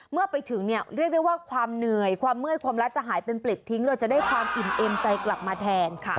เมื่อไปถึงเนี่ยเรียกได้ว่าความเหนื่อยความเมื่อยความรักจะหายเป็นเปล็ดทิ้งเราจะได้ความอิ่มเอ็มใจกลับมาแทนค่ะ